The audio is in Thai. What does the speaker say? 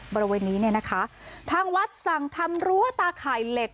บริเวณนี้เนี่ยนะคะทางวัดสั่งทำรั้วตาข่ายเหล็ก